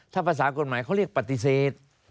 ถ้าภาษากฎหมายเขาเรียกปฏิเสธ